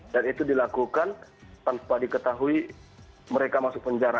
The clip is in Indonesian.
dan itu dilakukan tanpa diketahui mereka masuk penjara